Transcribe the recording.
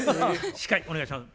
司会お願いします。